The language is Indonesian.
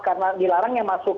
karena dilarangnya masuk